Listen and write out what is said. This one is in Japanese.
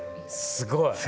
すごい。